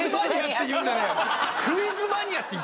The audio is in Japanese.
クイズマニアだったの？